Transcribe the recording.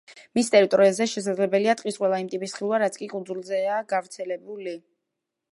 მის ტერიტორიაზე შესაძლებელია ტყის ყველა იმ ტიპის ხილვა, რაც კი კუნძულზეა გავრცელებული.